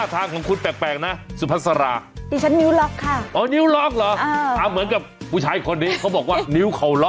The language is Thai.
จัดต่างนั้นเมียค่ะภูตกศึกภาว